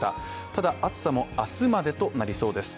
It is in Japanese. ただ、暑さも明日までとなりそうです。